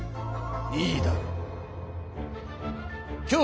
いいだろう。